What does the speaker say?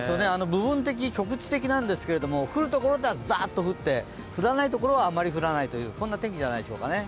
部分的、局地的なんですけど、降る所ではザッと降って、降らないところではあまり降らないという天気じゃないですかね。